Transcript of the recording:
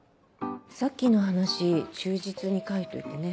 さっきの話忠実に書いといてね。